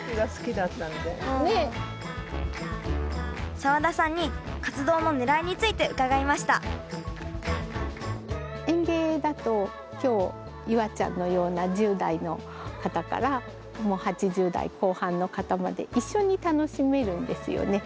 澤田さんに活動のねらいについて伺いました園芸だと今日夕空ちゃんのような１０代の方からもう８０代後半の方まで一緒に楽しめるんですよね。